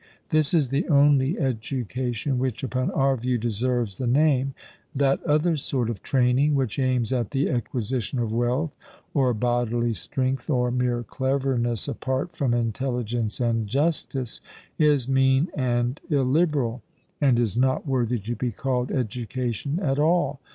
This is the only education which, upon our view, deserves the name; that other sort of training, which aims at the acquisition of wealth or bodily strength, or mere cleverness apart from intelligence and justice, is mean and illiberal, and is not worthy to be called education at all.